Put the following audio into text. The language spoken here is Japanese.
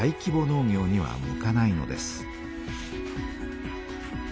農業には向かないのです。